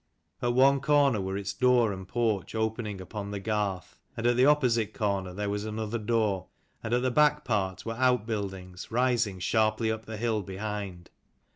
At one corner were its door and porch opening upon the garth, and at the opposite corner there was another door : and at the back part were out buildings rising sharply up the hill behind.